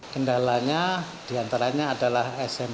kendalanya diantaranya adalah smp dua ratus tiga puluh delapan ini masalah laptop